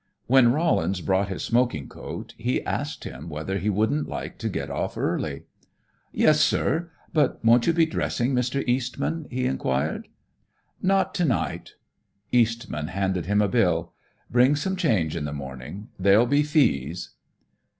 When Rollins brought his smoking coat, he asked him whether he wouldn't like to get off early. "Yes, sir. But won't you be dressing, Mr. Eastman?" he inquired. "Not to night." Eastman handed him a bill. "Bring some change in the morning. There'll be fees."